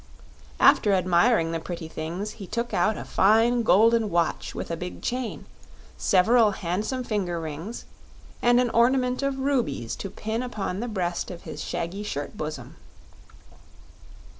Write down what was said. After admiring the pretty things, he took out a fine golden watch with a big chain, several handsome finger rings, and an ornament of rubies to pin upon the breast of his shaggy shirt bosom.